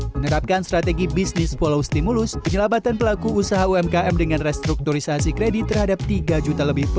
menerapkan strategi bisnis follow stimulus penyelamatan pelaku usaha umkm dengan restrukturisasi kredit terhadap tiga juta lebih